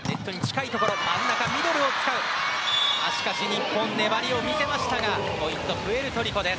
日本、粘りを見せましたがポイントはプエルトリコ。